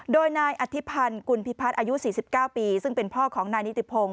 โดยนายอธิพันธ์กุลพิพัฒน์อายุ๔๙ปีซึ่งเป็นพ่อของนายนิติพงศ